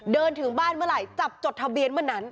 ถึงบ้านเมื่อไหร่จับจดทะเบียนเมื่อนั้น